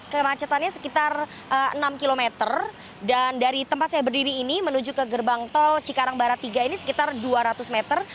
kemacetannya sekitar enam km dan dari tempat saya berdiri ini menuju ke gerbang tol cikarang barat tiga ini sekitar dua ratus meter